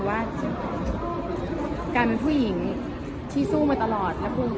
กว่ากูจะมีวันนี้มันไม่ง่าย